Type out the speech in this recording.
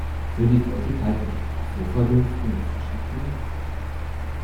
Würde die Feuchtigkeit nicht auch so verdunsten und die Flasche abkühlen?